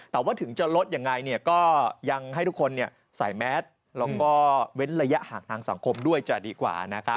แต่ว่าถึงจะลดยังไงก็ยังให้ทุกคนใส่แมสแล้วก็เว้นระยะห่างทางสังคมด้วยจะดีกว่า